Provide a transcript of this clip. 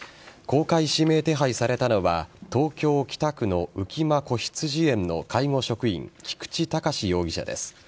公開指名手配されたのは東京・北区の浮間こひつじ園の介護職員菊池隆容疑者です。